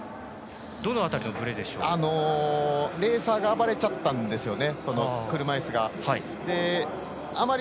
レーサーが暴れちゃったんですよね。